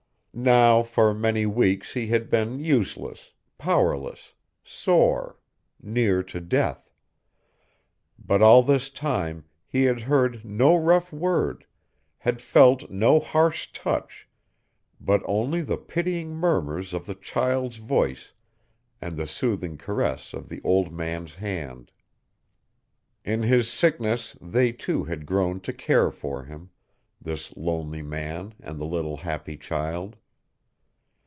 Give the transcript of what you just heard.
Now for many weeks he had been useless, powerless, sore, near to death; but all this time he had heard no rough word, had felt no harsh touch, but only the pitying murmurs of the child's voice and the soothing caress of the old man's hand. In his sickness they too had grown to care for him, this lonely man and the little happy child.